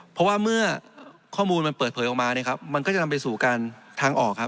เพราะว่าเมื่อข้อมูลมันเปิดเผยออกมามันก็จะนำไปสู่การทางออก